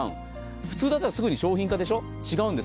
普通だったらすぐに商品化でしょ、違うんです。